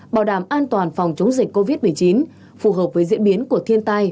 bảo đảm an toàn phòng chống dịch covid một mươi chín phù hợp với diễn biến của thiên tai